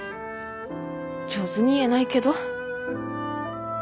上手に言えないけど。